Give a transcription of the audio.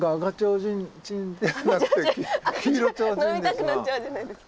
飲みたくなっちゃうじゃないですか。